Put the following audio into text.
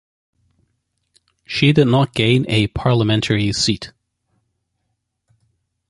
She did not gain a parliamentary seat.